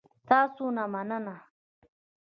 تاسو نه مننه